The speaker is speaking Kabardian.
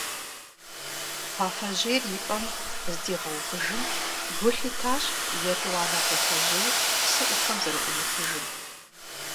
Кхъуафэжьейр и пӀэм здигъэувыжым, гу лъитащ етӀуанэ кхъуафэжьейр псы Ӏуфэм зэрыӀумытыжым.